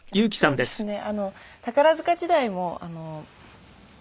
そうですね。